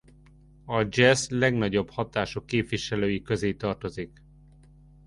A dzsessz legnagyobb hatású képviselői közé tartozik.